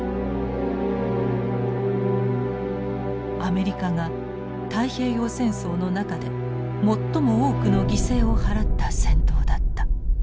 アメリカが太平洋戦争の中で最も多くの犠牲を払った戦闘だった。